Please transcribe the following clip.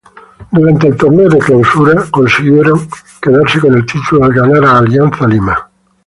Durante el Torneo Clausura, consiguieron quedarse con el título al ganar a Alianza Lima.